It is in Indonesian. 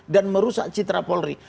dan merusak citra polri